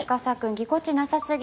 ぎこちなさすぎ。